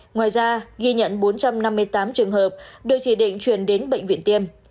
ngoài ra ghi nhận bốn trăm năm mươi tám trường hợp được chỉ định chuyển đến bệnh viện tiêm